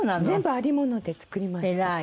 全部ありもので作りました。